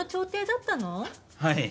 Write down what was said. はい。